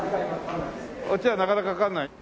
こっちはなかなかかからない？